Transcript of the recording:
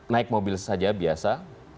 naik mobil saja biasa